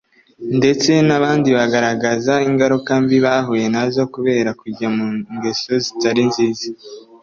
ndetse na bandi bagaragaza ingaruka mbi bahuye nazo kubera kujya mungeso zitari nziza